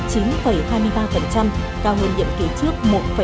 cao hơn nhiệm kỷ trước một năm mươi bốn